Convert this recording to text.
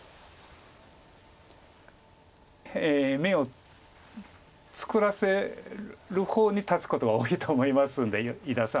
眼を作らせる方に立つことが多いと思いますんで伊田さんは。